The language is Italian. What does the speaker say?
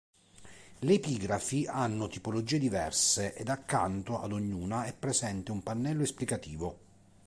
Le epigrafi hanno tipologie diverse ed accanto ad ognuna è presente un pannello esplicativo.